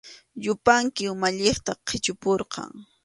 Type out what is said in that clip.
Yupanki umalliqta qichupurqan.